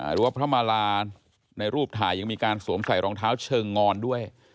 หรือว่าพระมาลาในรูปถ่ายยังมีการสวมใส่รองเท้าเชิงงอนด้วย